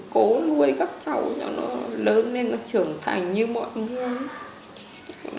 cháu nuôi các cháu cho nó lớn nên nó trưởng thành như mọi người